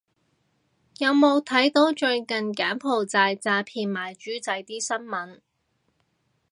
有冇睇到最近柬埔寨詐騙賣豬仔啲新聞